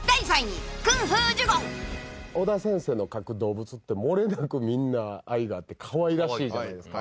尾田先生の描く動物って漏れなくみんな愛があってかわいらしいじゃないですか。